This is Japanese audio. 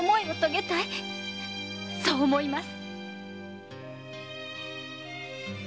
そう思います。